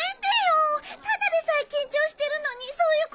ただでさえ緊張してるのにそういうこと言うの。